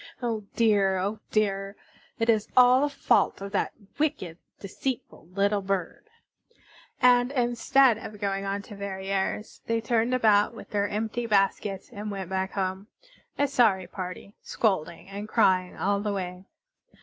Oh dear! oh dear! It is all the fault of that wicked, deceitful little bird." And, instead of going on to Verrières, they turned about with their empty baskets and went back home, a sorry party, scolding and crying all the way.